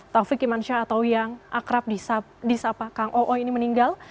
taufik iman syah atau yang akrab di sapa kang oo ini meninggal